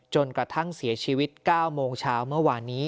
จนกระทั่งเสียชีวิต๙โมงเช้าเมื่อวานนี้